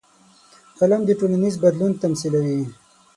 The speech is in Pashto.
قلم د ټولنیز بدلون تمثیلوي